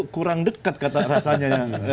kurang dekat rasanya